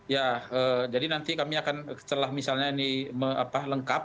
ya jadi nanti kami akan setelah misalnya ini lengkap